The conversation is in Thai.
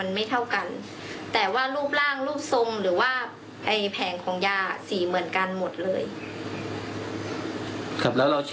แล้วเราเช็คไว้เป็นยาอะไรครับ